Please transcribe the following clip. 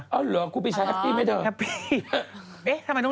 อ๋อเหรอกูปีชาแฮปปี้ไหมเถอะ